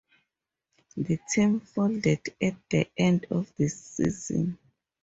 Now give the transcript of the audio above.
The team folded at the end of this season.